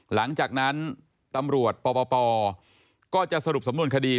หลังจากนั้นตำรวจปปก็จะสรุปสำนวนคดี